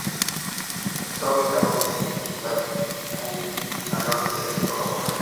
Está ubicado en Kita-ku, al norte de Kioto, Japón.